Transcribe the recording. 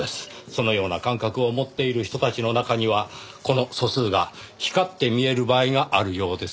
そのような感覚を持っている人たちの中にはこの素数が光って見える場合があるようですよ。